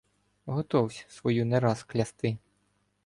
Готовсь свою не раз клясти.